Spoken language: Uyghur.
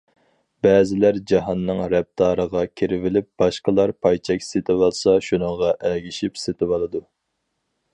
بەزىلەر جاھاننىڭ رەپتارىغا كىرىۋېلىپ، باشقىلار پاي چەك سېتىۋالسا شۇنىڭغا ئەگىشىپ سېتىۋالىدۇ.